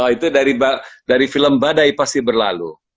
itu dari dari film badai pasir berlalu